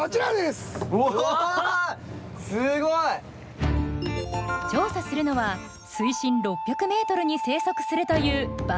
すごい！調査するのは水深６００ｍに生息するというバイ貝。